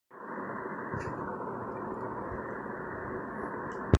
ஆசிரியர்களோடு எப்பொழுதும் தகராறாம்.